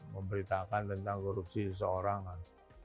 memberitakan tentang korupsi seseorang kan